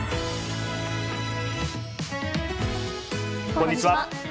こんにちは。